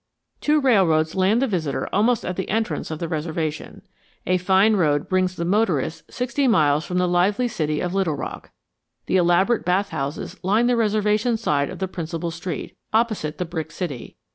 Two railroads land the visitor almost at the entrance of the reservation. A fine road brings the motorist sixty miles from the lively city of Little Rock. The elaborate bath houses line the reservation side of the principal street, opposite the brick city.